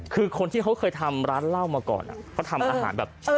คือคนที่เค้าเคยทำร้านเหล้ามาก่อนอ่ะเค้าทำอาหารแบบอร่อยใช่ไหม